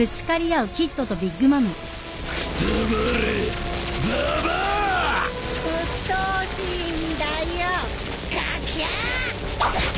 うっとうしいんだよガキャア！！